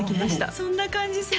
そんな感じする